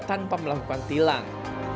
atau melakukan tilang